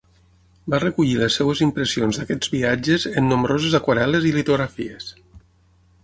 Va recollir les seves impressions d'aquests viatges en nombroses aquarel·les i litografies.